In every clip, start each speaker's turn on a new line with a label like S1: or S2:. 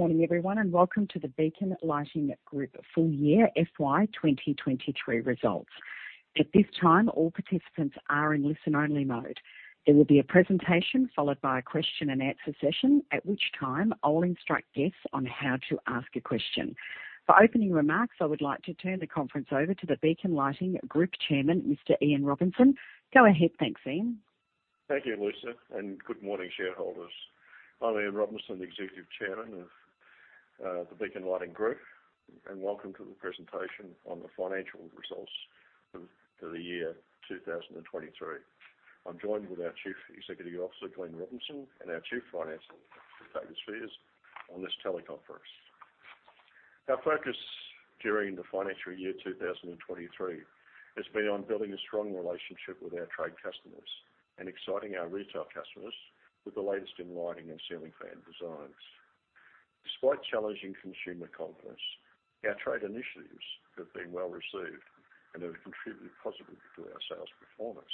S1: Morning, everyone, and welcome to the Beacon Lighting Group full year FY 2023 results. At this time, all participants are in listen-only mode. There will be a presentation followed by a question and answer session, at which time I'll instruct guests on how to ask a question. For opening remarks, I would like to turn the conference over to the Beacon Lighting Group Chairman, Mr. Ian Robinson. Go ahead. Thanks, Ian.
S2: Thank you, Lisa, and good morning, shareholders. I'm Ian Robinson, the Executive Chairman of the Beacon Lighting Group, and welcome to the presentation on the financial results for the year 2023. I'm joined with our Chief Executive Officer, Glen Robinson, and our Chief Financial, David Speirs, on this teleconference. Our focus during the financial year 2023 has been on building a strong relationship with our trade customers and exciting our retail customers with the latest in lighting and ceiling fan designs. Despite challenging consumer confidence, our trade initiatives have been well received and have contributed positively to our sales performance.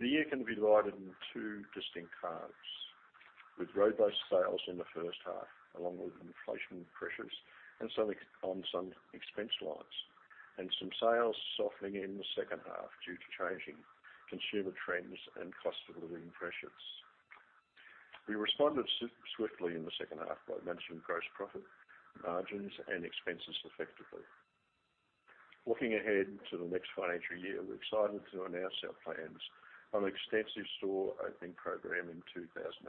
S2: The year can be divided into two distinct halves, with robust sales in the 1st half, along with inflation pressures and some on some expense lines and some sales softening in the 2nd half due to changing consumer trends and cost of living pressures. We responded swiftly in the 2nd half by managing gross profit margins and expenses effectively. Looking ahead to the next financial year, we're excited to announce our plans on an extensive store opening program in 2024.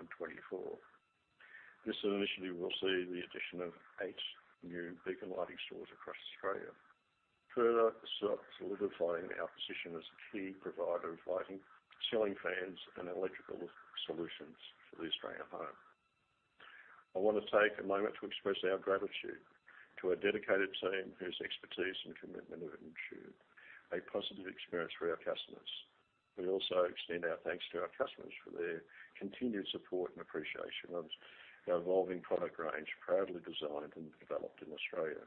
S2: This initiative will see the addition of eight new Beacon Lighting stores across Australia, further solidifying our position as a key provider of lighting, ceiling fans, and electrical solutions for the Australian home. I want to take a moment to express our gratitude to our dedicated team, whose expertise and commitment have ensured a positive experience for our customers. We also extend our thanks to our customers for their continued support and appreciation of our evolving product range, proudly designed and developed in Australia.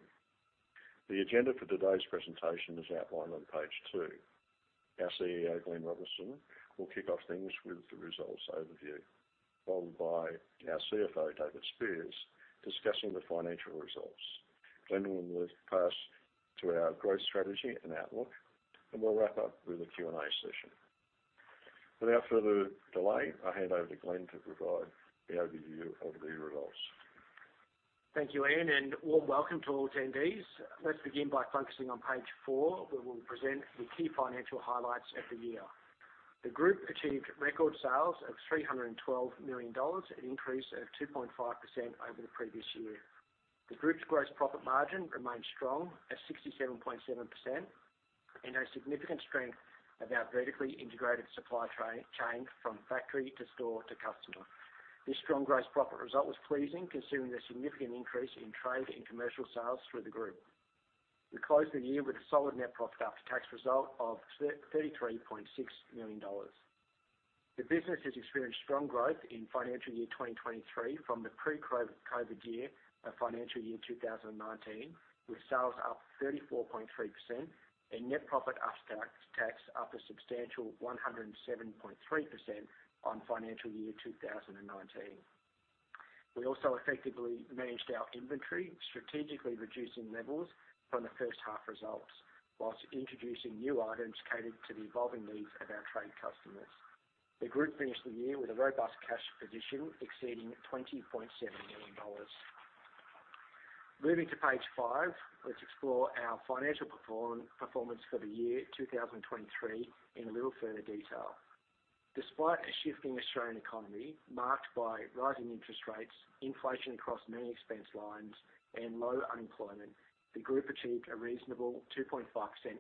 S2: The agenda for today's presentation is outlined on page to. Our CEO, Glen Robinson, will kick off things with the results overview, followed by our CFO, David Speirs, discussing the financial results. We will move past to our growth strategy and outlook, and we'll wrap up with a Q&A session. Without further delay, I'll hand over to Glen to provide the overview of the results.
S3: Thank you, Ian. Warm welcome to all attendees. Let's begin by focusing on page four, where we'll present the key financial highlights of the year. The group achieved record sales of 312 million dollars, an increase of 2.5% over the previous year. The group's gross profit margin remained strong at 67.7% and a significant strength of our vertically integrated supply chain from factory to store to customer. This strong gross profit result was pleasing, considering the significant increase in trade and commercial sales through the group. We closed the year with a solid net profit after tax result of 33.6 million dollars. The business has experienced strong growth in financial year 2023 from the pre-COVID year of financial year 2019, with sales up 34.3% and net profit after tax up a substantial 107.3% on financial year 2019. We also effectively managed our inventory, strategically reducing levels from the first half results, whilst introducing new items catered to the evolving needs of our trade customers. The group finished the year with a robust cash position exceeding 20.7 million dollars. Moving to page 5, let's explore our financial performance for the year 2023 in a little further detail. Despite a shifting Australian economy marked by rising interest rates, inflation across many expense lines, and low unemployment, the group achieved a reasonable 2.5%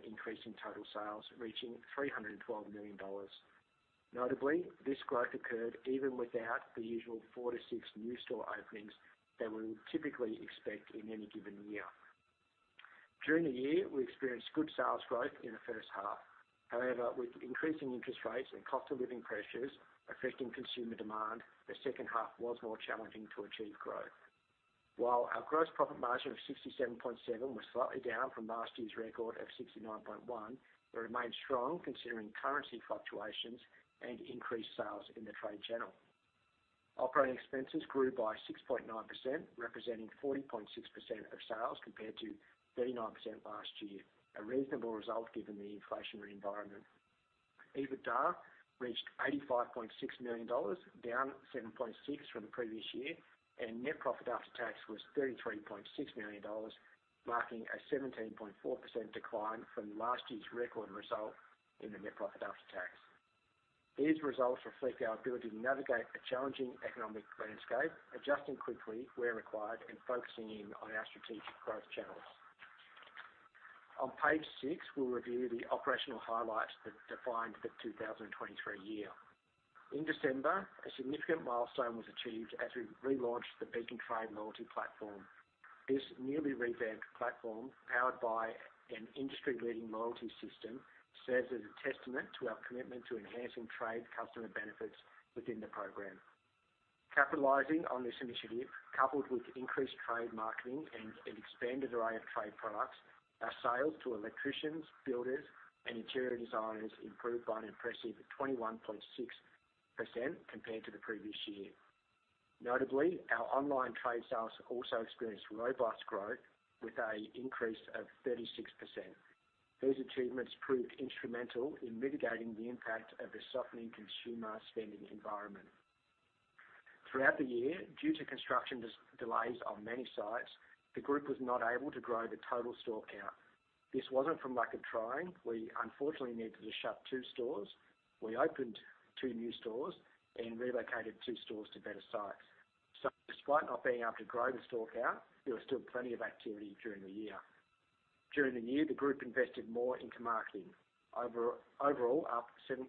S3: increase in total sales, reaching 312 million dollars. Notably, this growth occurred even without the usual four to six new store openings that we would typically expect in any given year. During the year, we experienced good sales growth in the first half. However, with increasing interest rates and cost of living pressures affecting consumer demand, the second half was more challenging to achieve growth. While our gross profit margin of 67.7% was slightly down from last year's record of 69.1%, it remained strong considering currency fluctuations and increased sales in the trade channel. Operating expenses grew by 6.9%, representing 40.6% of sales, compared to 39% last year, a reasonable result given the inflationary environment. EBITDA reached 85.6 million dollars, down 7.6 from the previous year, and net profit after tax was 33.6 million dollars, marking a 17.4% decline from last year's record result in the net profit after tax. These results reflect our ability to navigate a challenging economic landscape, adjusting quickly where required and focusing in on our strategic growth channels. On page 6, we'll review the operational highlights that defined the 2023 year. In December, a significant milestone was achieved as we relaunched the Beacon Trade Club platform. This newly revamped platform, powered by an industry-leading loyalty system, serves as a testament to our commitment to enhancing trade customer benefits within the program. Capitalizing on this initiative, coupled with increased trade marketing and an expanded array of trade products, our sales to electricians, builders, and interior designers improved by an impressive 21.6% compared to the previous year. Notably, our online trade sales also experienced robust growth with a increase of 36%. These achievements proved instrumental in mitigating the impact of the softening consumer spending environment. Throughout the year, due to construction delays on many sites, the group was not able to grow the total store count. This wasn't from lack of trying. We unfortunately needed to shut two stores. We opened two new stores and relocated two stores to better sites. Despite not being able to grow the store count, there was still plenty of activity during the year. During the year, the group invested more into marketing. Overall, up 7.6%,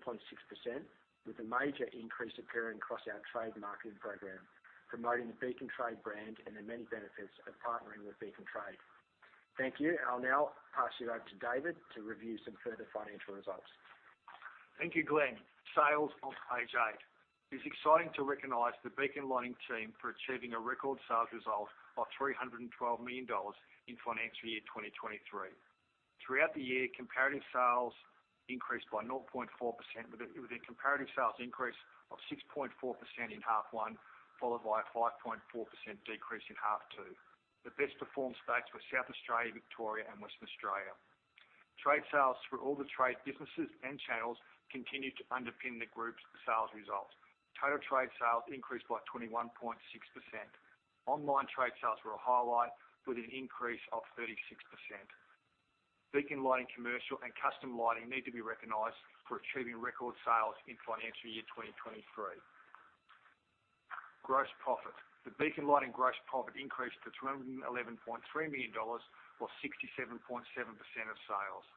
S3: with a major increase occurring across our trade marketing program, promoting the Beacon Trade brand and the many benefits of partnering with Beacon Trade. Thank you. I'll now pass you over to David to review some further financial results.
S4: Thank you, Glen. Sales on page eight. It's exciting to recognize the Beacon Lighting team for achieving a record sales result of 312 million dollars in FY 2023. Throughout the year, comparative sales increased by 0.4%, with a comparative sales increase of 6.4% in H1, followed by a 5.4% decrease in H2. The best performed states were South Australia, Victoria, and Western Australia. Trade sales for all the trade businesses and channels continued to underpin the group's sales results. Total trade sales increased by 21.6%. Online trade sales were a highlight, with an increase of 36%. Beacon Lighting Commercial and Custom Lighting need to be recognized for achieving record sales in FY 2023. Gross profit. The Beacon Lighting gross profit increased to 311.3 million dollars, or 67.7% of sales.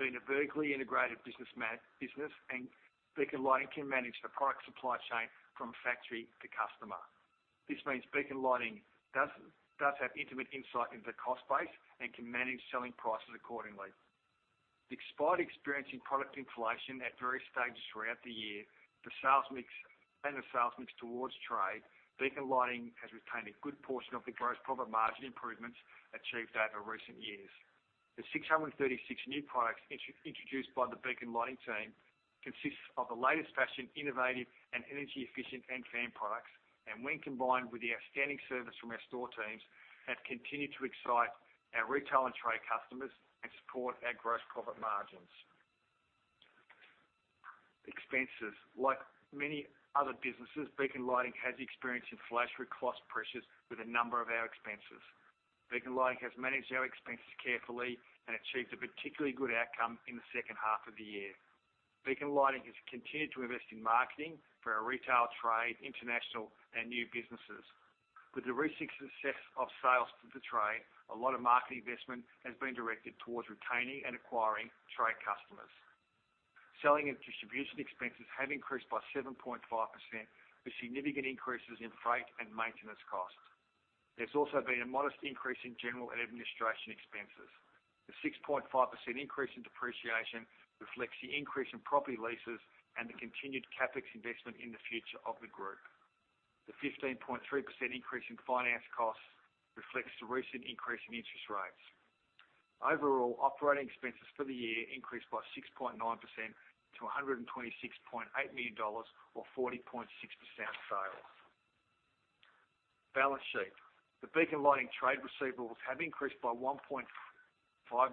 S4: Being a vertically integrated business, Beacon Lighting can manage the product supply chain from factory to customer. This means Beacon Lighting does have intimate insight into the cost base and can manage selling prices accordingly. Despite experiencing product inflation at various stages throughout the year, the sales mix and the sales mix towards trade, Beacon Lighting has retained a good portion of the gross profit margin improvements achieved over recent years. The 636 new products introduced by the Beacon Lighting team consists of the latest fashion, innovative, and energy efficient and fan products, and when combined with the outstanding service from our store teams, have continued to excite our retail and trade customers and support our gross profit margins. Expenses. Like many other businesses, Beacon Lighting has experienced inflationary cost pressures with a number of our expenses. Beacon Lighting has managed our expenses carefully and achieved a particularly good outcome in the second half of the year. Beacon Lighting has continued to invest in marketing for our retail, trade, international, and new businesses. With the recent success of sales to the trade, a lot of marketing investment has been directed towards retaining and acquiring trade customers. Selling and distribution expenses have increased by 7.5%, with significant increases in freight and maintenance costs. There's also been a modest increase in general and administration expenses. The 6.5% increase in depreciation reflects the increase in property leases and the continued CapEx investment in the future of the group. The 15.3% increase in finance costs reflects the recent increase in interest rates. Overall, operating expenses for the year increased by 6.9% to 126.8 million dollars, or 40.6% of sales. Balance sheet. The Beacon Lighting trade receivables have increased by 1.5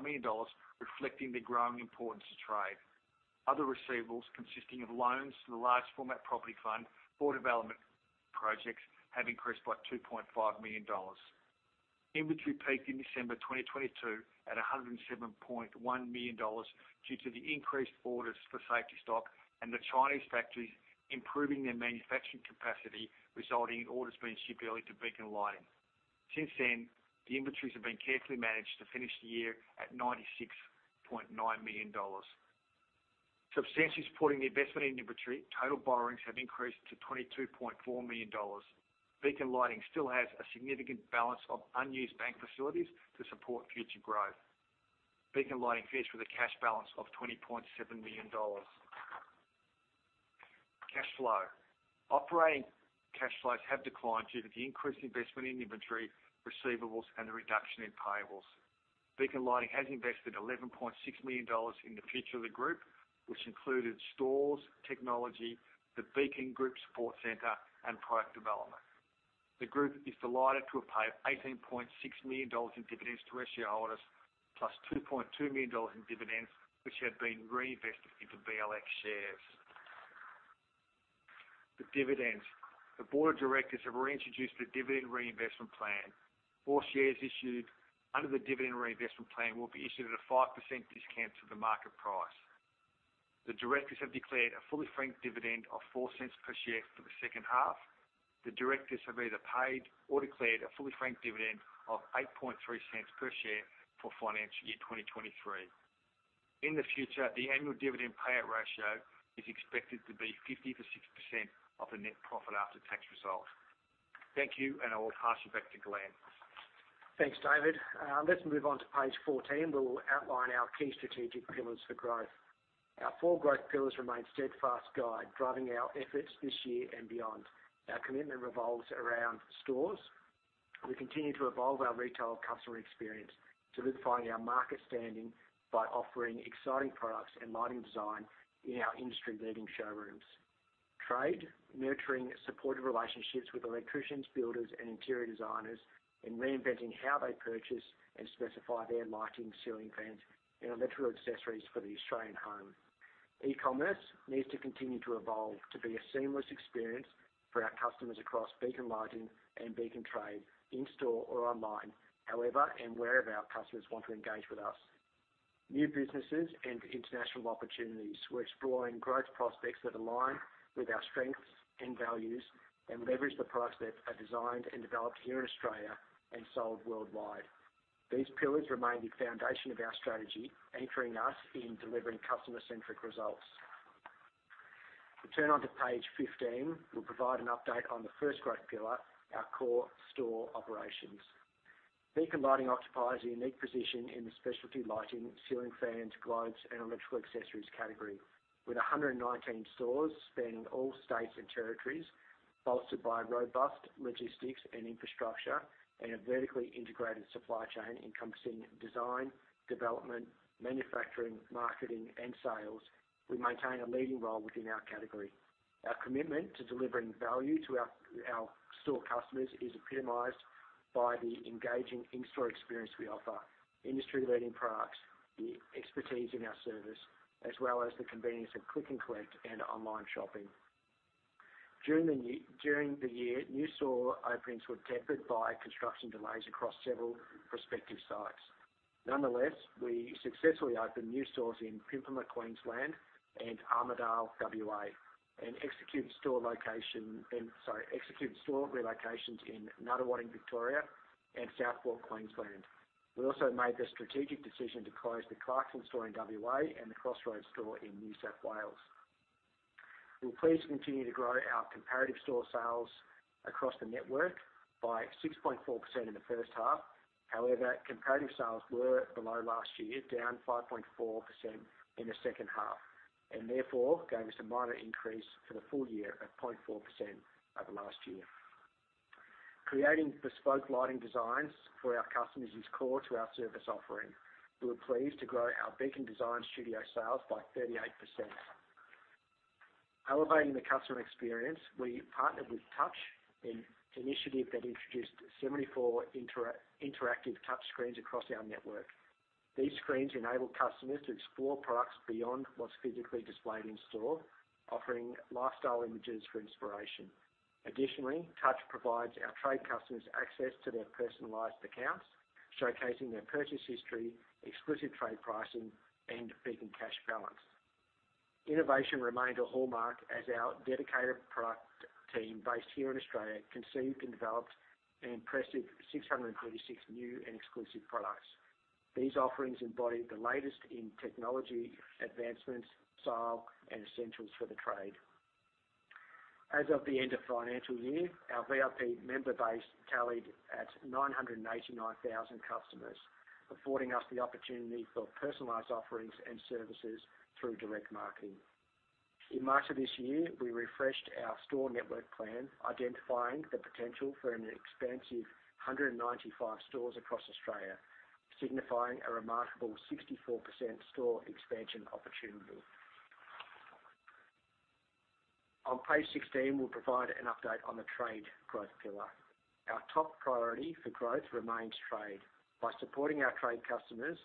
S4: million dollars, reflecting the growing importance of trade. Other receivables, consisting of loans to the Large Format Property Fund for development projects, have increased by 2.5 million dollars. Inventory peaked in December 2022 at 107.1 million dollars, due to the increased orders for safety stock and the Chinese factories improving their manufacturing capacity, resulting in orders being shipped early to Beacon Lighting. Since then, the inventories have been carefully managed to finish the year at 96.9 million dollars. Substantially supporting the investment in inventory, total borrowings have increased to 22.4 million dollars. Beacon Lighting still has a significant balance of unused bank facilities to support future growth. Beacon Lighting finished with a cash balance of 20.7 million dollars. Cash flow. Operating cash flows have declined due to the increased investment in inventory, receivables, and the reduction in payables. Beacon Lighting has invested 11.6 million dollars in the future of the group, which included stores, technology, the Beacon Group Support Centre, and product development. The group is delighted to have paid 18.6 million dollars in dividends to our shareholders, plus 2.2 million dollars in dividends, which have been reinvested into BLX shares. The dividends. The board of directors have reintroduced the Dividend Reinvestment Plan. four shares issued under the Dividend Reinvestment Plan will be issued at a 5% discount to the market price. The directors have declared a fully franked dividend of 0.04 per share for the second half. The directors have either paid or declared a fully franked dividend of 0.083 per share for FY 2023. In the future, the annual dividend payout ratio is expected to be 50%-60% of the net profit after tax result. Thank you, and I will pass you back to Glen.
S3: Thanks, David. Let's move on to page 14, where we'll outline our key strategic pillars for growth. Our four growth pillars remain a steadfast guide, driving our efforts this year and beyond. Our commitment revolves around stores. We continue to evolve our retail customer experience, solidifying our market standing by offering exciting products and lighting design in our industry-leading showrooms. Trade, nurturing supportive relationships with electricians, builders, and interior designers, and reinventing how they purchase and specify their lighting, ceiling fans, and electrical accessories for the Australian home. E-commerce needs to continue to evolve to be a seamless experience for our customers across Beacon Lighting and Beacon Trade, in-store or online, however, and wherever our customers want to engage with us. New businesses and international opportunities. We're exploring growth prospects that align with our strengths and values, and leverage the products that are designed and developed here in Australia and sold worldwide. These pillars remain the foundation of our strategy, anchoring us in delivering customer-centric results. We turn onto page 15. We'll provide an update on the first growth pillar, our core store operations. Beacon Lighting occupies a unique position in the specialty lighting, ceiling fans, globes, and electrical accessories category. With 119 stores spanning all states and territories, bolstered by robust logistics and infrastructure, and a vertically integrated supply chain encompassing design, development, manufacturing, marketing, and sales, we maintain a leading role within our category. Our commitment to delivering value to our store customers is epitomized by the engaging in-store experience we offer, industry-leading products, the expertise in our service, as well as the convenience of click and collect and online shopping. During the year, new store openings were tempered by construction delays across several prospective sites. Nonetheless, we successfully opened new stores in Pimpama, Queensland, and Armadale, WA, and executed store relocations in Nunawading, Victoria, and Southport, Queensland. We also made the strategic decision to close the Clarkson store in WA, and the Crossroads store in New South Wales. We're pleased to continue to grow our comparative store sales across the network by 6.4% in the first half. However, comparative sales were below last year, down 5.4% in the second half, and therefore, gave us a minor increase for the full year of 0.4% over last year. Creating bespoke lighting designs for our customers is core to our service offering. We were pleased to grow our Beacon Design Studio sales by 38%. Elevating the customer experience, we partnered with Touch, an initiative that introduced 74 interactive touchscreens across our network. These screens enable customers to explore products beyond what's physically displayed in-store, offering lifestyle images for inspiration. Additionally, Touch provides our trade customers access to their personalized accounts, showcasing their purchase history, exclusive trade pricing, and Beacon Cash balance. Innovation remained a hallmark as our dedicated product team, based here in Australia, conceived and developed an impressive 636 new and exclusive products. These offerings embodied the latest in technology advancements, style, and essentials for the trade. As of the end of financial year, our VIP member base tallied at 989,000 customers, affording us the opportunity for personalized offerings and services through direct marketing. In March of this year, we refreshed our store network plan, identifying the potential for an expansive 195 stores across Australia, signifying a remarkable 64% store expansion opportunity. On page 16, we'll provide an update on the trade growth pillar. Our top priority for growth remains trade. By supporting our trade customers,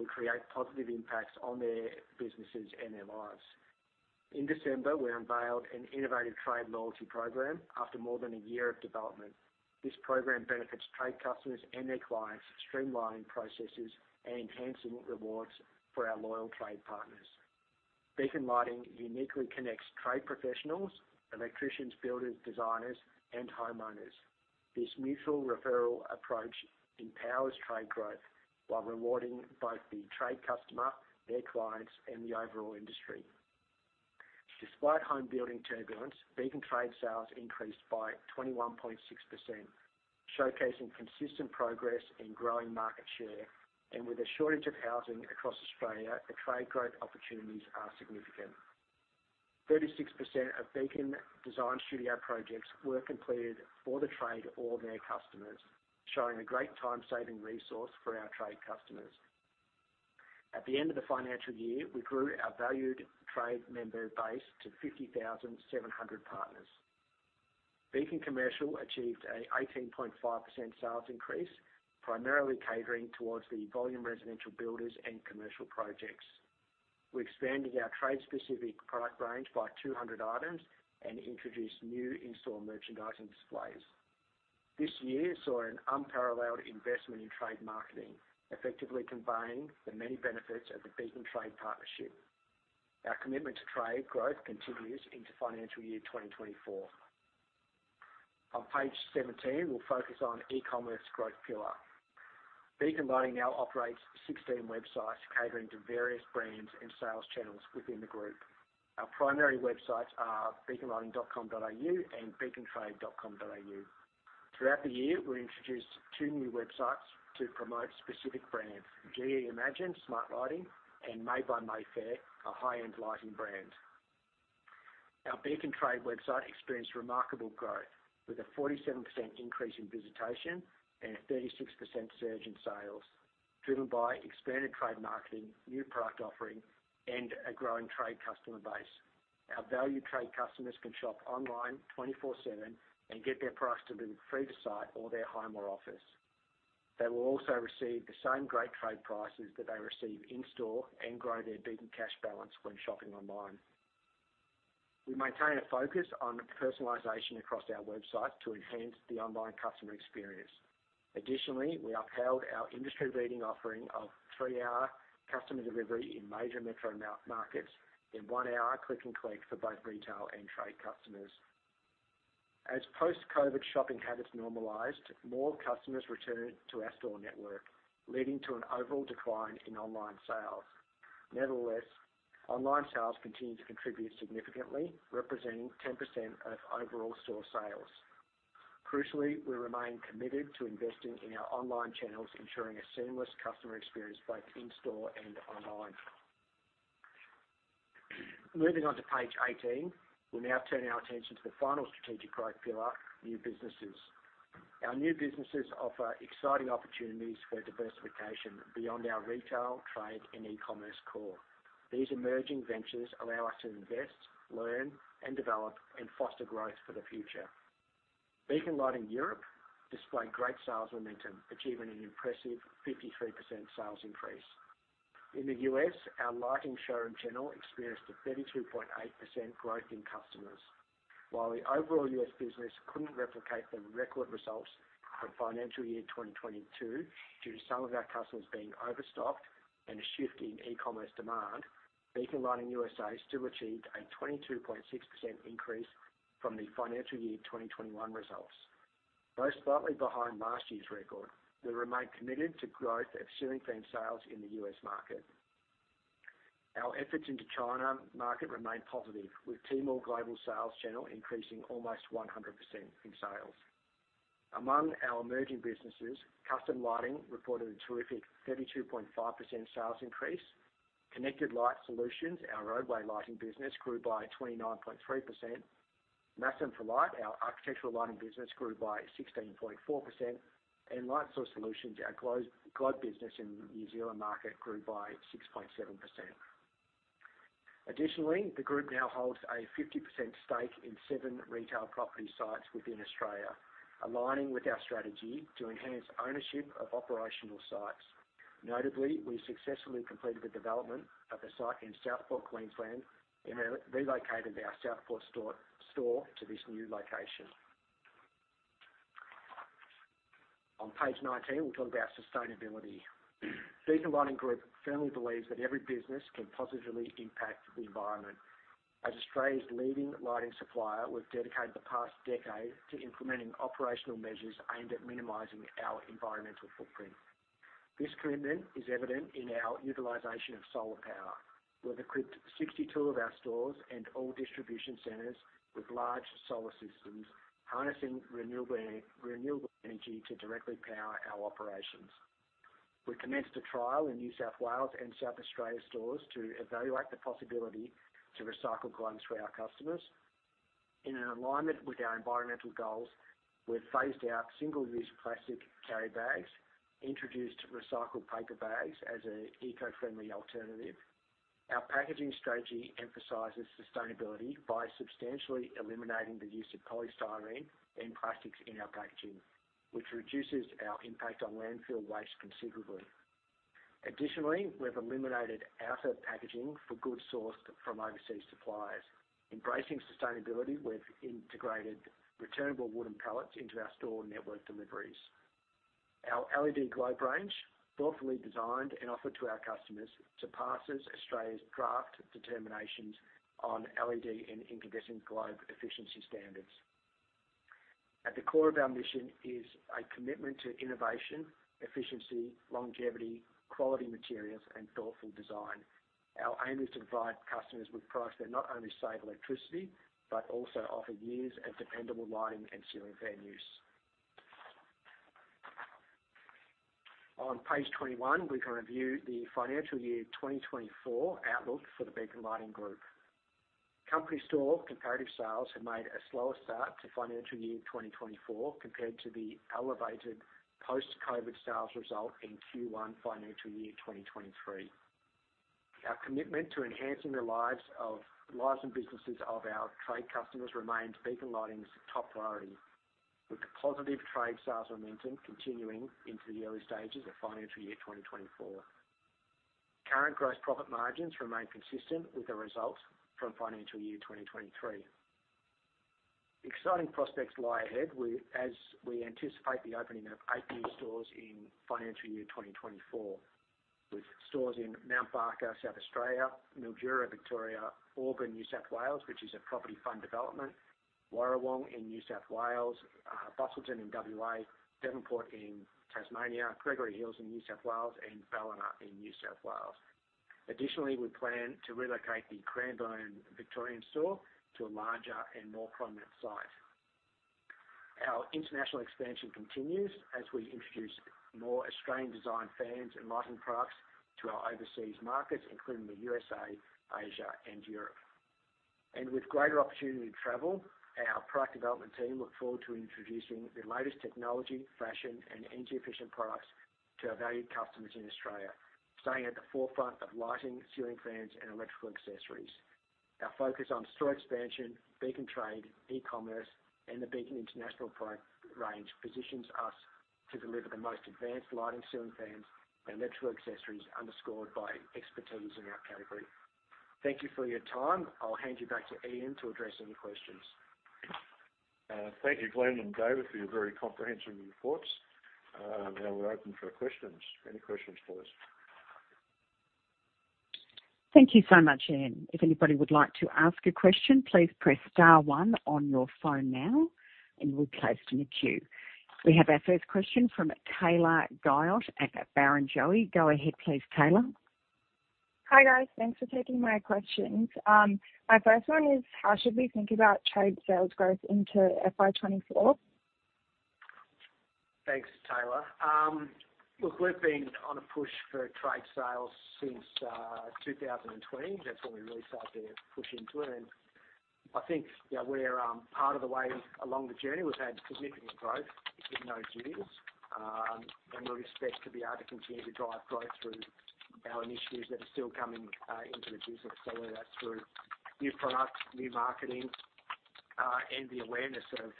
S3: we create positive impacts on their businesses and their lives. In December, we unveiled an innovative trade loyalty program after more than a year of development. This program benefits trade customers and their clients, streamlining processes and enhancing rewards for our loyal trade partners. Beacon Lighting uniquely connects Trade professionals, electricians, builders, designers, and homeowners. This mutual referral approach empowers Trade growth while rewarding both the Trade customer, their clients, and the overall industry. Despite home building turbulence, Beacon Trade sales increased by 21.6%, showcasing consistent progress in growing market share. With a shortage of housing across Australia, the Trade growth opportunities are significant. 36% of Beacon Design Studio projects were completed for the Trade or their customers, showing a great time-saving resource for our Trade customers. At the end of the financial year, we grew our valued Trade member base to 50,700 partners. Beacon Commercial achieved an 18.5% sales increase, primarily catering towards the volume residential builders and commercial projects. We expanded our Trade-specific product range by 200 items and introduced new in-store merchandising displays. This year saw an unparalleled investment in trade marketing, effectively conveying the many benefits of the Beacon Trade partnership. Our commitment to trade growth continues into financial year 2024. On page 17, we'll focus on e-commerce growth pillar. Beacon Lighting now operates 16 websites, catering to various brands and sales channels within the group. Our primary websites are beaconlighting.com.au and beacontrade.com.au. Throughout the year, we introduced two new websites to promote specific brands, GE Imagine Smart Lighting and Made by Mayfair, a high-end lighting brand. Our Beacon Trade website experienced remarkable growth, with a 47% increase in visitation and a 36% surge in sales, driven by expanded trade marketing, new product offering, and a growing trade customer base. Our value trade customers can shop online 24/7 and get their products delivered free to site or their home or office. They will also receive the same great trade prices that they receive in-store and grow their Beacon Cash balance when shopping online. We maintain a focus on personalization across our website to enhance the online customer experience. Additionally, we upheld our industry-leading offering of three-hour customer delivery in major metro markets and one-hour click and collect for both retail and trade customers. As post-COVID shopping habits normalized, more customers returned to our store network, leading to an overall decline in online sales. Nevertheless, online sales continue to contribute significantly, representing 10% of overall store sales. Crucially, we remain committed to investing in our online channels, ensuring a seamless customer experience both in-store and online. Moving on to page 18, we now turn our attention to the final strategic growth pillar, new businesses. Our new businesses offer exciting opportunities for diversification beyond our retail, trade, and e-commerce core. These emerging ventures allow us to invest, learn, and develop, and foster growth for the future. Beacon Lighting Europe displayed great sales momentum, achieving an impressive 53% sales increase. In the U.S., our lighting showroom channel experienced a 32.8% growth in customers. While the overall U.S. business couldn't replicate the record results from financial year 2022, due to some of our customers being overstocked and a shift in e-commerce demand, Beacon Lighting USA still achieved a 22.6% increase from the financial year 2021 results. Though slightly behind last year's record, we remain committed to growth of ceiling fan sales in the U.S. market. Our efforts into China market remain positive, with Tmall Global sales channel increasing almost 100% in sales. Among our emerging businesses, Custom Lighting reported a terrific 32.5% sales increase. Connected Light Solutions, our roadway lighting business, grew by 29.3%. Masson For Light, our architectural lighting business, grew by 16.4%. Light Source Solutions, our globe business in the New Zealand market, grew by 6.7%. Additionally, the group now holds a 50% stake in seven retail property sites within Australia, aligning with our strategy to enhance ownership of operational sites. Notably, we successfully completed the development of a site in Southport, Queensland, and then relocated our Southport store to this new location. On page 19, we'll talk about sustainability. Beacon Lighting Group firmly believes that every business can positively impact the environment. As Australia's leading lighting supplier, we've dedicated the past decade to implementing operational measures aimed at minimizing our environmental footprint. This commitment is evident in our utilization of solar power. We've equipped 62 of our stores and all distribution centers with large solar systems, harnessing renewable energy to directly power our operations. We commenced a trial in New South Wales and South Australia stores to evaluate the possibility to recycle globes for our customers. In alignment with our environmental goals, we've phased out single-use plastic carry bags, introduced recycled paper bags as an eco-friendly alternative. Our packaging strategy emphasizes sustainability by substantially eliminating the use of polystyrene and plastics in our packaging, which reduces our impact on landfill waste considerably. We've eliminated outer packaging for goods sourced from overseas suppliers. Embracing sustainability, we've integrated returnable wooden pallets into our store network deliveries. Our LED globe range, thoughtfully designed and offered to our customers, surpasses Australia's draft determinations on LED and incandescent globe efficiency standards. At the core of our mission is a commitment to innovation, efficiency, longevity, quality materials, and thoughtful design. Our aim is to provide customers with products that not only save electricity, but also offer years of dependable lighting and ceiling fan use. On page 21, we can review the financial year 2024 outlook for the Beacon Lighting Group. Company store comparative sales have made a slower start to financial year 2024, compared to the elevated post-COVID sales result in Q1 financial year 2023. Our commitment to enhancing the lives and businesses of our trade customers remains Beacon Lighting's top priority, with positive trade sales momentum continuing into the early stages of financial year 2024. Current gross profit margins remain consistent with the results from financial year 2023. Exciting prospects lie ahead, as we anticipate the opening of eight new stores in FY 2024, with stores in Mount Barker, South Australia, Mildura, Victoria, Auburn, New South Wales, which is a property fund development, Warrawong in New South Wales, Busselton in WA, Devonport in Tasmania, Gregory Hills in New South Wales, and Ballina in New South Wales. Additionally, we plan to relocate the Cranbourne, Victorian store to a larger and more prominent site. Our international expansion continues as we introduce more Australian-designed fans and lighting products to our overseas markets, including the USA, Asia, and Europe. With greater opportunity to travel, our product development team look forward to introducing the latest technology, fashion, and energy-efficient products to our valued customers in Australia, staying at the forefront of lighting, ceiling fans, and electrical accessories. Our focus on store expansion, Beacon Trade, e-commerce, and the Beacon International product range positions us to deliver the most advanced lighting, ceiling fans, and electrical accessories, underscored by expertise in our category. Thank you for your time. I'll hand you back to Ian to address any questions.
S2: Thank you, Glen and David, for your very comprehensive reports. Now we're open for questions. Any questions for us?
S1: Thank you so much, Ian. If anybody would like to ask a question, please press star one on your phone now, and we'll place them in queue. We have our first question from Taylor Guyot at Barrenjoey. Go ahead, please, Taylor.
S5: Hi, guys. Thanks for taking my questions. My first one is: How should we think about trade sales growth into FY 2024?
S3: Thanks, Taylor. Look, we've been on a push for Trade sales since 2020. That's when we really started to push into it, and I think, you know, we're part of the way along the journey. We've had significant growth in those years, and we expect to be able to continue to drive growth through our initiatives that are still coming into the business. Whether that's through new products, new marketing, and the awareness of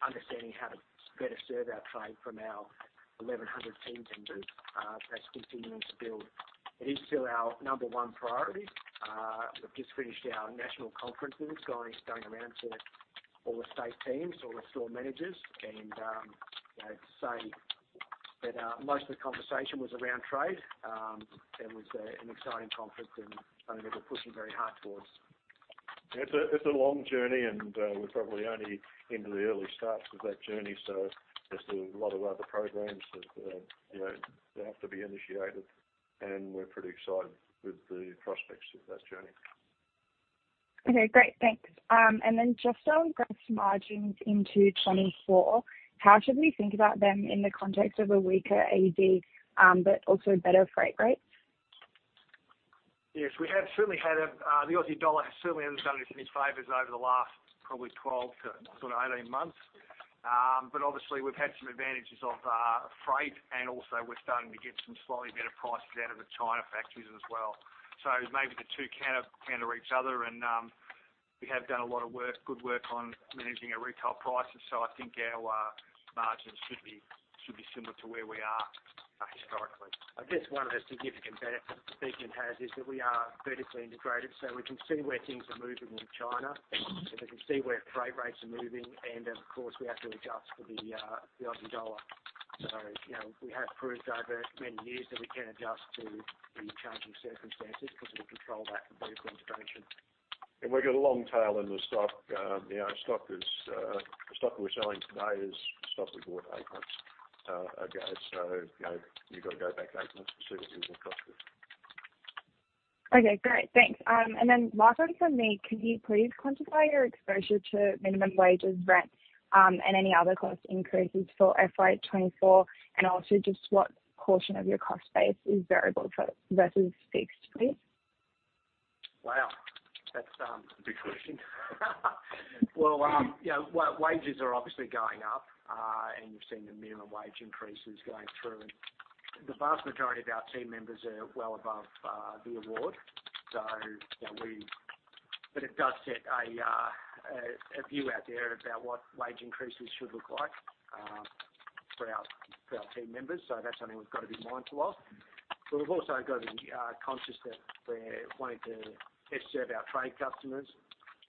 S3: understanding how to better serve our Trade from our 1,100 team members, that's continuing to build. It is still our number one priority. We've just finished our national conference with guys going around to all the state teams, all the store managers, and, you know, to say that most of the conversation was around Trade. It was, an exciting conference, and, I mean, we're pushing very hard towards.
S2: It's a, it's a long journey, and we're probably only into the early starts of that journey, so there's a lot of other programs that, you know, they have to be initiated, and we're pretty excited with the prospects of that journey.
S5: Okay, great. Thanks. Then just on gross margins into 2024, how should we think about them in the context of a weaker AD, but also better freight rates?
S3: Yes, we have certainly had a. The Aussie dollar certainly hasn't done us any favors over the last probably 12-18 months. But obviously we've had some advantages off freight, and also we're starting to get some slightly better prices out of the China factories as well. Maybe the two counter, counter each other, and we have done a lot of work, good work, on managing our retail prices, so I think our margins should be, should be similar to where we are, historically.
S2: I guess one of the significant benefits Beacon has is that we are vertically integrated, so we can see where things are moving in China, and we can see where freight rates are moving, then, of course, we have to adjust for the Aussie dollar. You know, we have proved over many years that we can adjust to the changing circumstances because we control that vertical integration. We've got a long tail in the stock. You know, stock is stock that we're selling today is stock we bought eight months ago. You know, you've got to go back eight months to see what we will cost it.
S5: Okay, great. Thanks. Then last one from me. Could you please quantify your exposure to minimum wages, rent, and any other cost increases for FY 2024, and also just what portion of your cost base is variable versus fixed, please?
S3: Wow, that's.
S2: Big question.
S3: Well, you know, wages are obviously going up, and you've seen the minimum wage increases going through. The vast majority of our team members are well above the award. But it does set a view out there about what wage increases should look like for our team members. That's something we've got to be mindful of. But we've also got to be conscious that we're wanting to best serve our trade customers,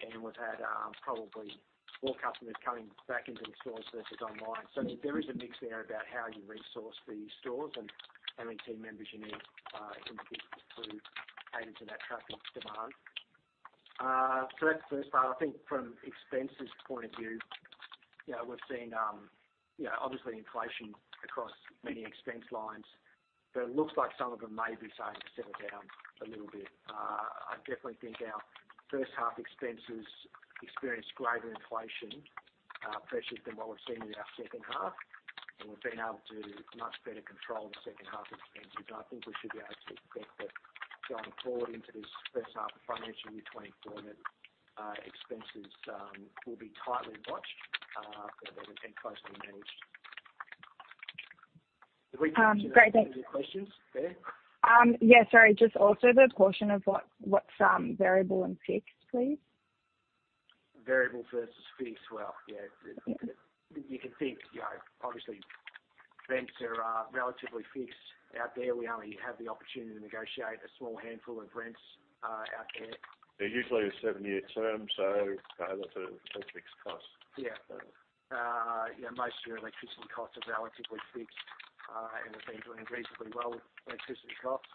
S3: and we've had probably more customers coming back into the stores versus online. There is a mix there about how you resource the stores and how many team members you need in to cater to that traffic demand. That's the first part. I think from expenses point of view, you know, we've seen, you know, obviously inflation across many expense lines, but it looks like some of them may be starting to settle down a little bit. I definitely think our first half expenses experienced greater inflation pressures than what we've seen in our second half, and we've been able to much better control the second half expenses. I think we should be able to expect that going forward into this first half of financial year 2024, that expenses will be tightly watched and closely managed.
S2: Did we answer-
S5: Great, thanks.
S2: Your questions, Taylor?
S5: Yes, sorry, just also the portion of what, what's variable and fixed, please?
S3: Variable versus fixed? Well, yeah.
S5: Mm-hmm.
S3: You can think, you know, obviously rents are relatively fixed out there. We only have the opportunity to negotiate a small handful of rents out there.
S2: They're usually a seven-year term, so that's a, that's a fixed cost.
S3: Yeah, yeah, most of your electricity cost is relatively fixed, and we've been doing reasonably well with electricity costs,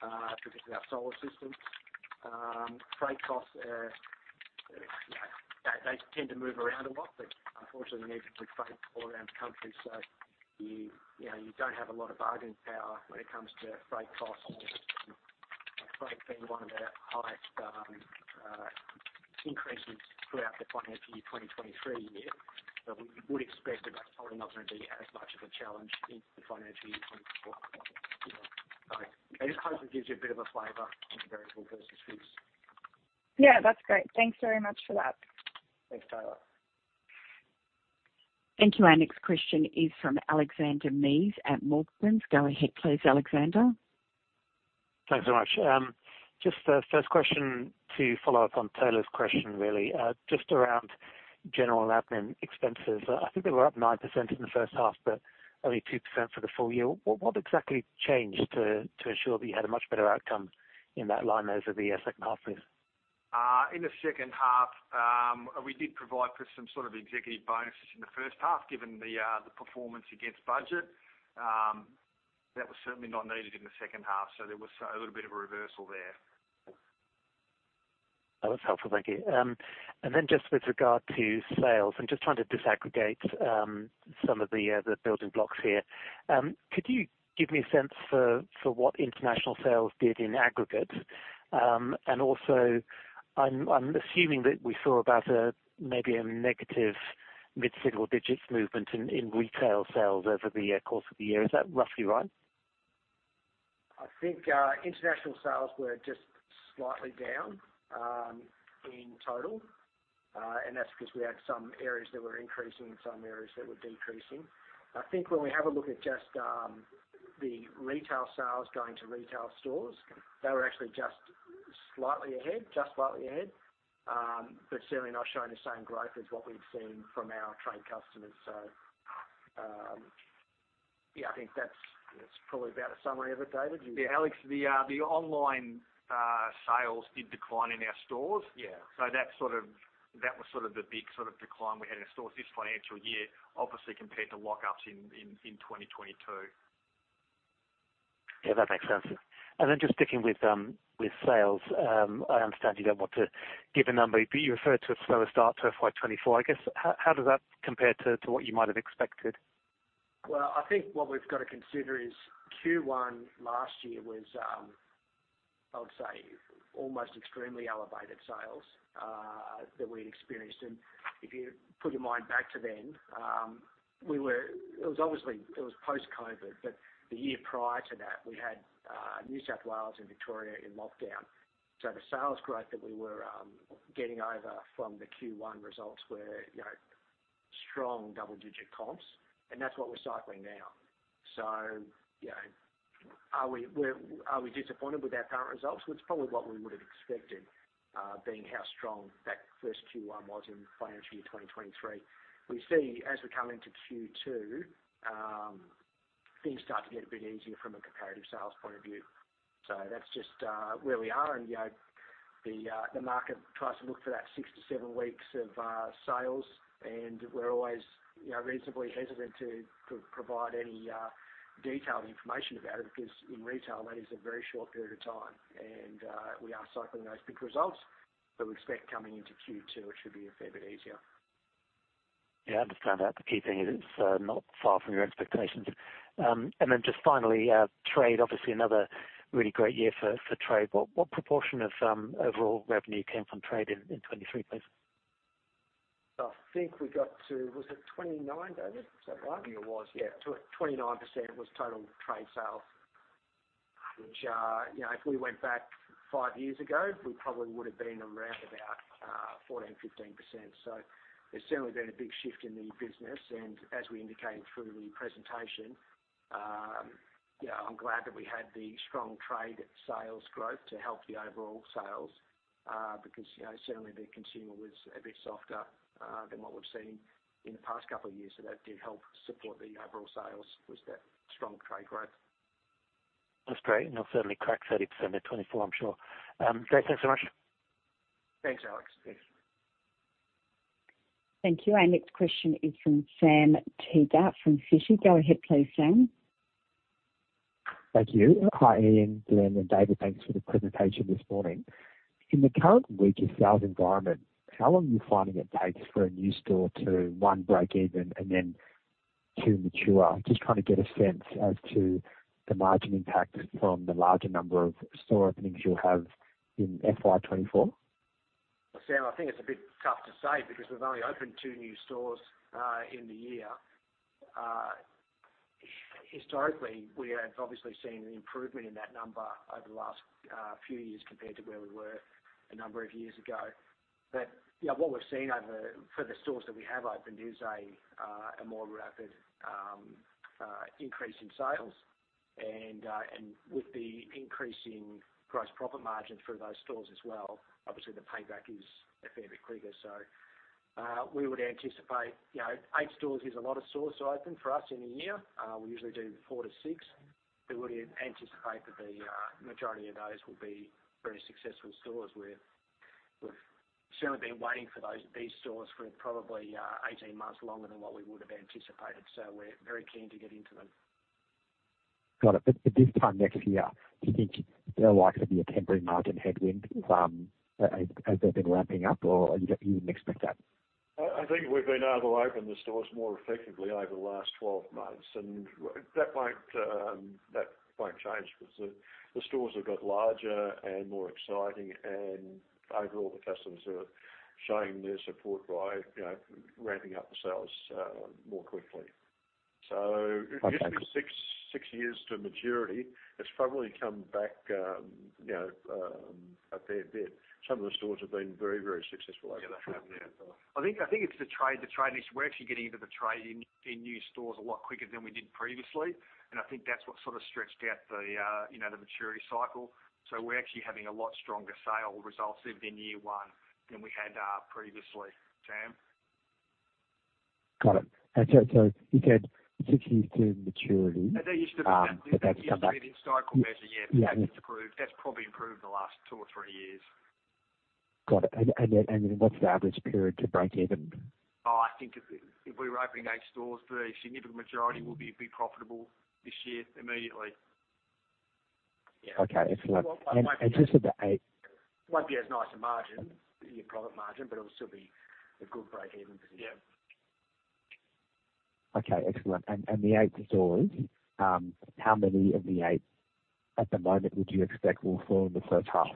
S3: particularly our solar systems. Freight costs are, you know, they, they tend to move around a lot, but unfortunately, we need to move freight all around the country, so you, you know, you don't have a lot of bargaining power when it comes to freight costs. That's been one of our highest increases throughout the financial year 2023. We would expect that that's probably not going to be as much of a challenge in the financial year 2024. I just hope it gives you a bit of a flavor on the variable versus fixed.
S5: Yeah, that's great. Thanks very much for that.
S3: Thanks, Taylor.
S1: Thank you. Our next question is from Alexander Mees at Morgans. Go ahead, please, Alexander.
S6: Thanks so much. Just a first question to follow up on Taylor's question, really, just around general admin expenses. I think they were up 9% in the first half, but only 2% for the full year. What, what exactly changed to, to ensure that you had a much better outcome in that line over the second half, please?
S3: In the second half, we did provide for some sort of executive bonuses in the first half, given the, the performance against budget. That was certainly not needed in the second half. There was a little bit of a reversal there.
S6: That's helpful. Thank you. Then just with regard to sales, I'm just trying to disaggregate some of the building blocks here. Could you give me a sense for what international sales did in aggregate? Also, I'm assuming that we saw about a, maybe a negative mid-single digits movement in retail sales over the course of the year. Is that roughly right?
S3: I think international sales were just slightly down in total. That's because we had some areas that were increasing and some areas that were decreasing. I think when we have a look at just the retail sales going to retail stores, they were actually just slightly ahead, just slightly ahead. Certainly not showing the same growth as what we've seen from our trade customers. Yeah, I think that's, that's probably about a summary of it, David.
S4: Yeah, Alex, the, the online, sales did decline in our stores.
S3: Yeah.
S4: That was sort of the big sort of decline we had in stores this financial year, obviously, compared to lockups in 2022.
S6: Yeah, that makes sense. Just sticking with, with sales, I understand you don't want to give a number, but you referred to a slower start to FY 2024. I guess, how, how does that compare to, to what you might have expected?
S3: Well, I think what we've got to consider is Q1 last year was, I would say, almost extremely elevated sales, that we'd experienced. If you put your mind back to then, it was obviously, it was post-COVID, but the year prior to that, we had New South Wales and Victoria in lockdown. The sales growth that we were, getting over from the Q1 results were, you know, strong double-digit comps, and that's what we're cycling now. You know, are we disappointed with our current results? Well, it's probably what we would have expected, being how strong that first Q1 was in FY 2023. We see as we come into Q2, things start to get a bit easier from a comparative sales point of view. That's just, where we are. You know, the market tries to look for that six to seven weeks of sales, and we're always, you know, reasonably hesitant to provide any detailed information about it, because in retail, that is a very short period of time. We are cycling those big results, but we expect coming into Q2, it should be a fair bit easier.
S6: Yeah, I understand that. The key thing is it's not far from your expectations. Then just finally, trade, obviously another really great year for, for trade. What, what proportion of overall revenue came from trade in 2023, please?
S3: I think we got to... Was it 29, David? Is that right?
S4: I think it was, yeah.
S3: 29% was total trade sales, which, you know, if we went back five years ago, we probably would have been around about 14%-15%. There's certainly been a big shift in the business, and as we indicated through the presentation, yeah, I'm glad that we had the strong trade sales growth to help the overall sales, because, you know, certainly the consumer was a bit softer than what we've seen in the past couple of years. That did help support the overall sales, was that strong trade growth.
S6: That's great. They'll certainly crack 30% in 2024, I'm sure. Great. Thanks so much.
S3: Thanks, Alex.
S4: Thanks.
S1: Thank you. Our next question is from Sam Teeger from Citi. Go ahead, please, Sam.
S7: Thank you. Hi, Ian, Glen, and David. Thanks for the presentation this morning. In the current weaker sales environment, how long are you finding it takes for a new store to, one, break even, and then, two, mature? Just trying to get a sense as to the margin impact from the larger number of store openings you'll have in FY 2024.
S3: Well, Sam, I think it's a bit tough to say because we've only opened two new stores in the year. Historically, we have obviously seen an improvement in that number over the last few years compared to where we were a number of years ago. You know, what we've seen over for the stores that we have opened is a more rapid increase in sales and with the increasing gross profit margin for those stores as well, obviously the payback is a fair bit quicker. We would anticipate, you know, eight stores is a lot of stores to open for us in a year. We usually do four to six. We would anticipate that the majority of those will be very successful stores. We're, we've certainly been waiting for those, these stores for probably, 18 months longer than what we would have anticipated, so we're very keen to get into them.
S7: Got it. This time next year, do you think there are likely to be a temporary margin headwind, as, as they've been ramping up, or you wouldn't expect that?...
S2: I, I think we've been able to open the stores more effectively over the last 12 months, and that won't, that won't change because the, the stores have got larger and more exciting, and overall, the customers are showing their support by, you know, ramping up the sales, more quickly. It used to be six, six years to maturity. It's probably come back, you know, a fair bit. Some of the stores have been very, very successful over the
S3: Yeah. I think, I think it's the trade, the trade is, we're actually getting into the trade in, in new stores a lot quicker than we did previously, and I think that's what sort of stretched out the, you know, the maturity cycle. We're actually having a lot stronger sale results in year one than we had, previously, Sam.
S7: Got it. You said 6 years to maturity,
S3: That used to be the historical measure, yeah.
S7: Yeah.
S3: That's improved. That's probably improved in the last two or three years.
S7: Got it. What's the average period to break even?
S3: Oh, I think if, if we were opening eight stores, the significant majority will be, be profitable this year immediately. Yeah.
S7: Okay, excellent.
S2: just at the.
S3: Might be as nice a margin, your profit margin, but it'll still be a good break even position.
S2: Yeah.
S7: Okay, excellent. The eight stores, how many of the eight at the moment would you expect will fall in the first half?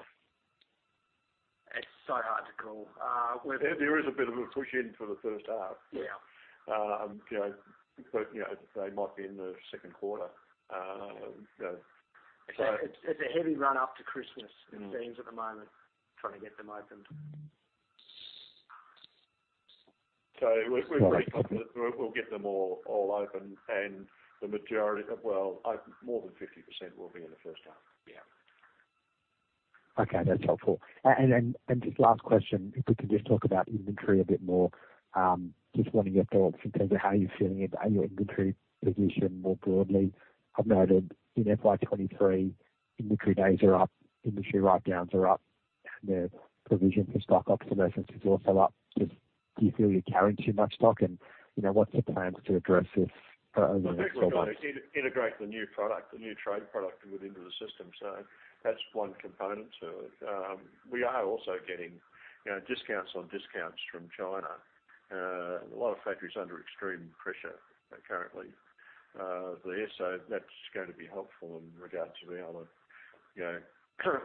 S3: It's so hard to call.
S2: There is a bit of a push in for the first half.
S3: Yeah.
S2: You know, you know, they might be in the second quarter, you know.
S3: It's a heavy run-up to Christmas.
S2: Mm.
S3: It seems at the moment, trying to get them open.
S2: We're, we're pretty confident we'll, we'll get them all, all open and the majority. Well, more than 50% will be in the first half.
S3: Yeah.
S7: Okay, that's helpful. And, and just last question, if we could just talk about inventory a bit more. Just wanting your thoughts in terms of how you're feeling about your inventory position more broadly. I've noted in FY 2023, inventory days are up, inventory write downs are up, and the provision for stock obsolescence is also up. Just do you feel you're carrying too much stock? You know, what's the plans to address this over the next
S2: Integrate the new product, the new trade product within the system. That's one component to it. We are also getting, you know, discounts on discounts from China. A lot of factories under extreme pressure currently there. That's going to be helpful in regards to being able to, you know,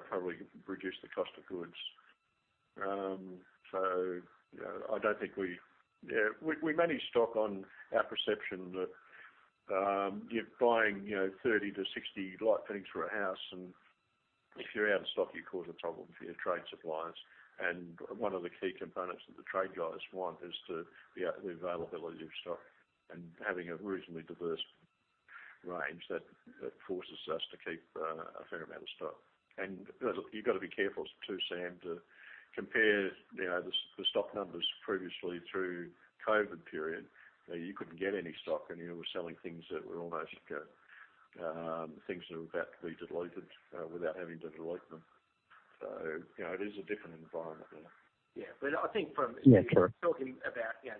S2: probably reduce the cost of goods. So, you know, I don't think we-- yeah, we, we manage stock on our perception that, you know, you're buying 30-60 light fittings for a house, and if you're out of stock, you cause a problem for your trade suppliers. One of the key components that the trade guys want is to the availability of stock and having a reasonably diverse range that, that forces us to keep a fair amount of stock. You've got to be careful, too, Sam, to compare, you know, the, the stock numbers previously through COVID period. You know, you couldn't get any stock, and you were selling things that were almost things that were about to be deleted without having to delete them. You know, it is a different environment now.
S3: Yeah. I think from-
S7: Yeah, sure.
S3: Talking about, you know,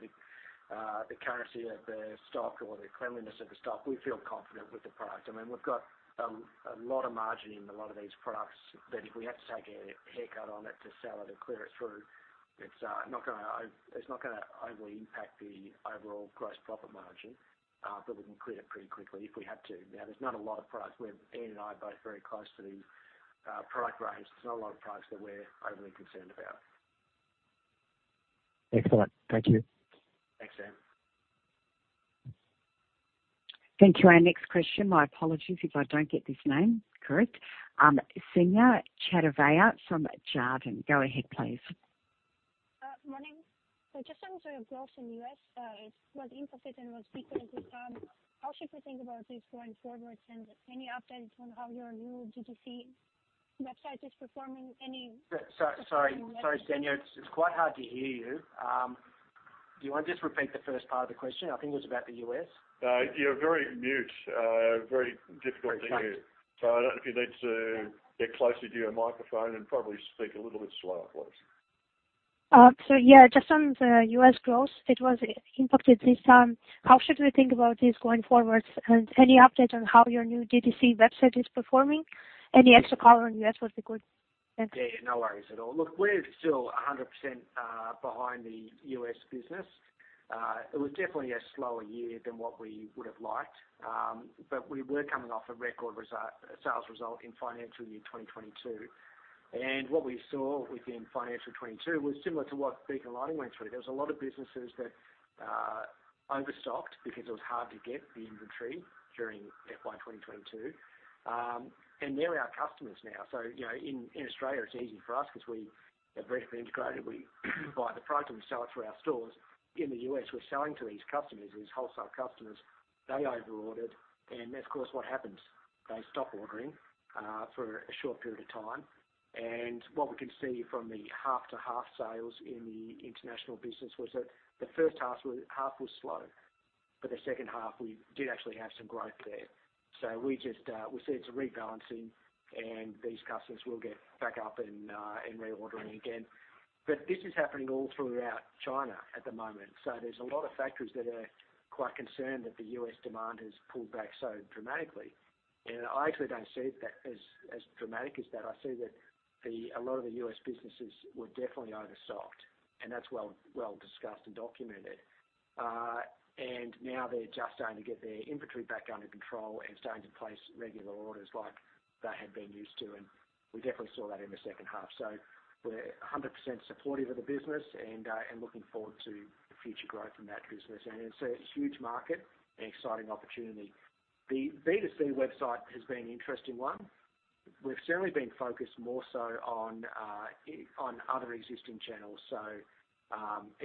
S3: the currency of the stock or the cleanliness of the stock, we feel confident with the product. I mean, we've got a lot of margin in a lot of these products that if we have to take a haircut on it to sell it and clear it through, it's not gonna overly impact the overall gross profit margin, but we can clear it pretty quickly if we had to. Now, there's not a lot of products, where Ian and I are both very close to the product range. There's not a lot of products that we're overly concerned about.
S7: Excellent. Thank you.
S3: Thanks, Sam.
S1: Thank you. Our next question, my apologies if I don't get this name correct. Kseniya Chadayeva from Jarden. Go ahead, please.
S8: Morning. Just on the growth in the U.S., it was impacted and was because we've done. How should we think about this going forward? Any updates on how your new D2C website is performing?
S3: Sorry, sorry, sorry, Ksenia, it's quite hard to hear you. Do you want to just repeat the first part of the question? I think it was about the U.S.
S2: You're very mute, very difficult to hear.
S3: Right.
S2: I don't know if you need to get closer to your microphone and probably speak a little bit slower for us.
S8: Just on the U.S. growth, it was impacted this time. How should we think about this going forward? Any update on how your new D2C website is performing? Any extra color on U.S. would be good. Thanks.
S3: Yeah, no worries at all. Look, we're still 100% behind the U.S. business. It was definitely a slower year than what we would have liked. We were coming off a record sales result in financial year 2022, and what we saw within financial 2022 was similar to what Beacon Lighting went through. There was a lot of businesses that overstocked because it was hard to get the inventory during FY 2022. They're our customers now. You know, in Australia, it's easy for us because we are vertically integrated. We buy the product, and we sell it through our stores. In the U.S., we're selling to these customers, these wholesale customers. They overordered, and of course, what happens? They stop ordering for a short period of time. What we can see from the half to half sales in the international business was that the first half was slow, the second half we did actually have some growth there. We just, we see it's a rebalancing, and these customers will get back up and reordering again. This is happening all throughout China at the moment. There's a lot of factories that are quite concerned that the U.S. demand has pulled back so dramatically. I actually don't see it that as, as dramatic as that. I see that a lot of the U.S. businesses were definitely overstocked, and that's well, well discussed and documented. Now they're just starting to get their inventory back under control and starting to place regular orders like they had been used to, and we definitely saw that in the second half. We're 100% supportive of the business, looking forward to the future growth in that business. It's a huge market and exciting opportunity. The B2C website has been an interesting one. We've certainly been focused more so on other existing channels, so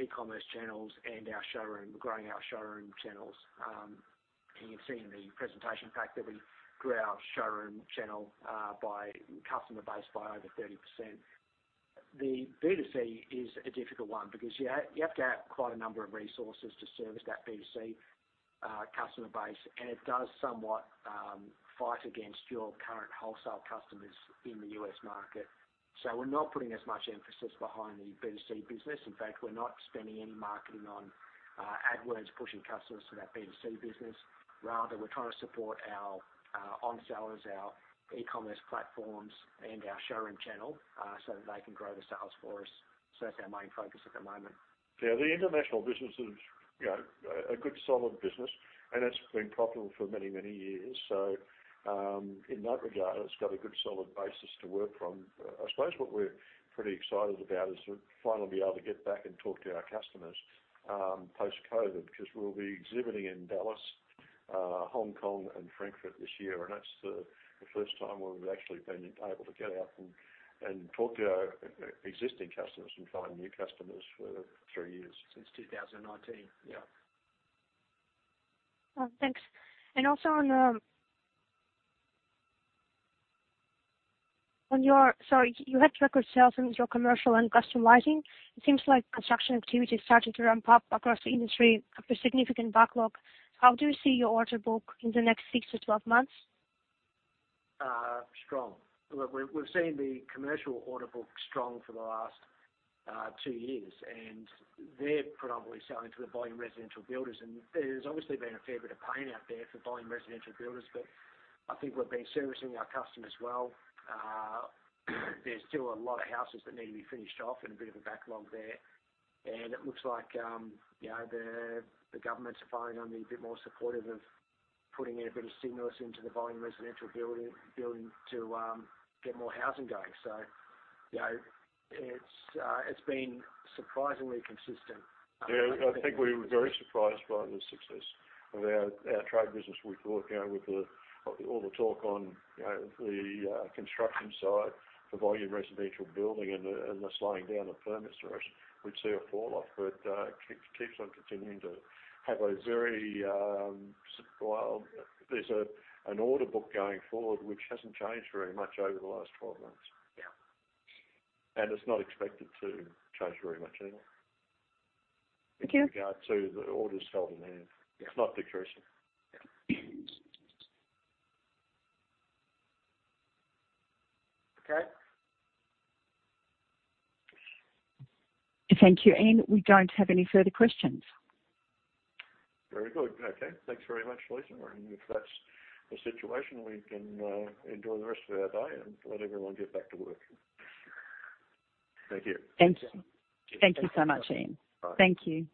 S3: e-commerce channels and our showroom, growing our showroom channels. You've seen in the presentation pack that we grew our showroom channel by customer base by over 30%. The B2C is a difficult one because you have to have quite a number of resources to service that B2C customer base, and it does somewhat fight against your current wholesale customers in the U.S. market. We're not putting as much emphasis behind the B2C business. In fact, we're not spending any marketing on AdWords, pushing customers to that B2C business. Rather, we're trying to support our on-sellers, our e-commerce platforms and our showroom channel, so that they can grow the sales for us. That's our main focus at the moment.
S2: Yeah, the international business is, you know, a, a good, solid business, and it's been profitable for many, many years. In that regard, it's got a good, solid basis to work from. I suppose what we're pretty excited about is to finally be able to get back and talk to our customers, post-COVID, because we'll be exhibiting in Dallas, Hong Kong, and Frankfurt this year, and that's the, the first time where we've actually been able to get out and, and talk to our existing customers and find new customers for three years.
S3: Since 2019.
S2: Yeah.
S8: Thanks. Also on, on your, Sorry, you had record sales in your commercial and Custom Lighting. It seems like construction activity is starting to ramp up across the industry after a significant backlog. How do you see your order book in the next six to 12 months?
S3: Strong. Look, we've, we've seen the commercial order book strong for the last two years, they're predominantly selling to the volume residential builders. There's obviously been a fair bit of pain out there for volume residential builders, but I think we've been servicing our customers well. There's still a lot of houses that need to be finished off and a bit of a backlog there. It looks like, you know, the, the governments are finally only a bit more supportive of putting a bit of stimulus into the volume residential building, building to get more housing going. You know, it's been surprisingly consistent.
S2: Yeah, I think we were very surprised by the success of our, our trade business. We thought, you know, with the, all the talk on, you know, the construction side, the volume residential building and the, and the slowing down of permits, we'd see a falloff. It keeps, keeps on continuing to have a very, well, there's a, an order book going forward which hasn't changed very much over the last 12 months.
S3: Yeah.
S2: It's not expected to change very much either.
S8: Thank you.
S2: In regard to the orders held in hand.
S3: Yeah.
S2: It's not decreasing.
S3: Yeah.
S2: Okay?
S1: Thank you, Ian. We don't have any further questions.
S2: Very good. Okay. Thanks very much, Lisa. If that's the situation, we can enjoy the rest of our day and let everyone get back to work. Thank you.
S1: Thank you. Thank you so much, Ian.
S2: Bye.
S1: Thank you.